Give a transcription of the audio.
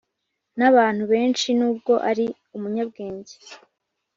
nabantu benshi nubwo ari umunyabwenge;